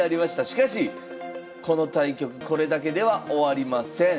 しかしこの対局これだけでは終わりません。